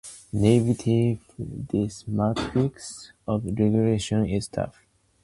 Navigating this matrix of regulations is tough.